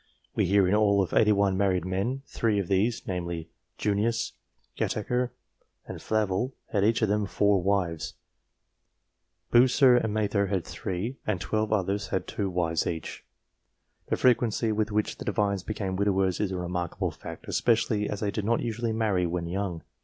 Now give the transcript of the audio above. We hear in all of 81 married men ; 3 of these, namely, Junius, Gataker, and Flavel, had each of them 4 wives ; Bucer and DIVINES 255 Mather had 3 ; and 12 others had 2 wives each. The frequency with which the Divines became widowers is a remarkable fact, especially as they did not usually marry when young.